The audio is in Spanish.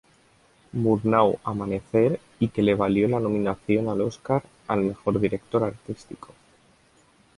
Murnau "Amanecer", y que le valió la nominación al Oscar al mejor director artístico.